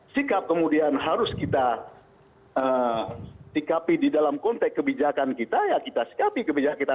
sikap kemudian harus kita sikapi di dalam konteks kebijakan kita ya kita sikapi kebijakan kita